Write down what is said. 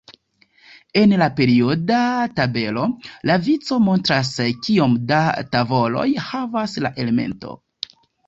En la perioda tabelo, la vico montras, kiom da tavoloj havas la elemento.